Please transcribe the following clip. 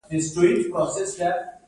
کم دست مزد بې وزلو مرسته نه کوي.